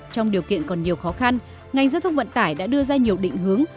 trong điều kiện còn nhiều khó khăn ngành giao thông vận tải đã đưa ra nhiều định hướng